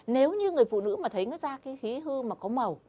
nếu như người phụ nữ mà thấy ra khí hư mà có màu